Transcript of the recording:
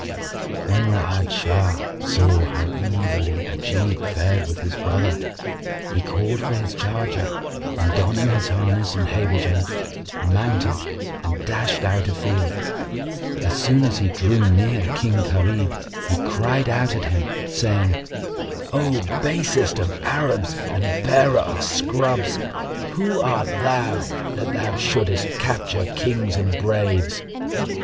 When Ra'ad Shah saw how evilly Ajib fared with his brother, he called for his charger and donning his harness and habergeon, mounted and dashed out a field. As soon as he drew near King Gharib, he cried out at him, saying, "O basest of Arabs and bearer of scrubs,[FN#55] who art thou, that thou shouldest capture Kings and braves?